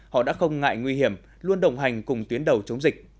họ đã không ngại nguy hiểm luôn đồng hành cùng tuyến đầu chống dịch